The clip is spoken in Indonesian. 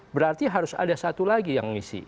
berarti harus ada satu lagi yang ngisi